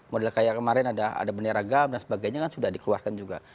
modal kayak kemarin ada beneragam dan sebagainya kan sudah dikeluarkan juga